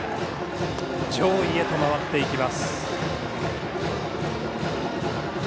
上位へと回っていきます。